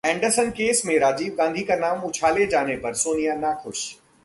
Anderson case में राजीव गांधी का नाम उछाले जाने पर सोनिया नाखुश